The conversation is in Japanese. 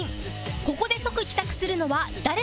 ここで即帰宅するのは誰なのか？